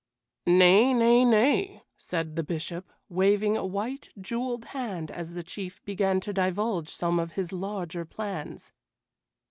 "Nay, nay, nay!" said the Bishop, waving a white, jeweled hand as the Chief began to divulge some of his larger plans.